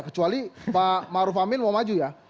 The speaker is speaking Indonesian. kecuali pak maruf amin mau maju ya